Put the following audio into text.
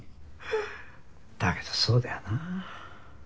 だけどそうだよなぁ。